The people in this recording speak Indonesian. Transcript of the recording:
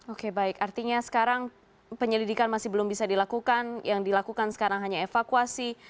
oke baik artinya sekarang penyelidikan masih belum bisa dilakukan yang dilakukan sekarang hanya evakuasi